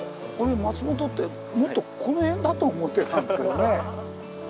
俺松本ってもっとこの辺だと思ってたんですけどね。